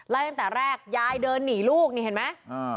ตั้งแต่แรกยายเดินหนีลูกนี่เห็นไหม